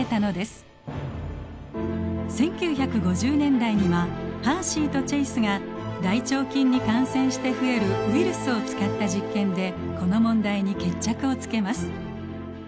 １９５０年代にはハーシーとチェイスが大腸菌に感染して増えるウイルスを使った実験でこの問題に決着をつけます。